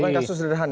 bukan kasus sederhana